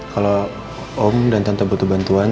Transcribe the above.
kalau om dan tentu butuh bantuan